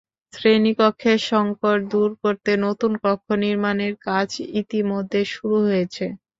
শ্রেণিকক্ষের সংকট দূর করতে নতুন কক্ষ নির্মাণের কাজ ইতিমধ্যে শুরু হয়েছে।